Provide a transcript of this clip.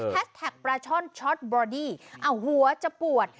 เออแฮกแท็กปลาช่อนชอตบอดี้อ่ะหัวจะปวด